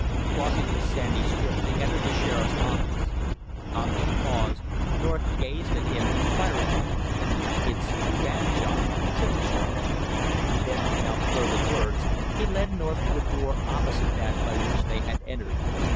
Crossing this sandy strip they entered the sheriff's office. Conklin paused; North gazed at him inquiringly. "It's too bad, John," said the sheriff. Then without further words he led North to a door opposite that by which they had entered.